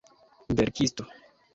verkisto